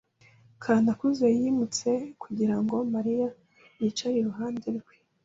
Kanakuze yimutse kugira ngo Mariya yicare iruhande rwe.